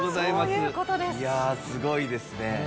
いやすごいですね。